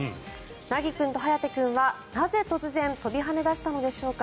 凪君と颯君は、なぜ突然跳びはね出したのでしょうか。